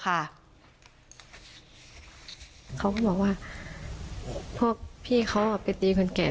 เขาก็บอกว่าพวกพี่เขาไปตีคนแก่